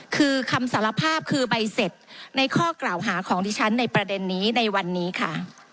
คือคำสารภาพคือใบเสร็จในข้อกล่าวหาของดิฉันในประเด็นนี้ในวันนี้ค่ะ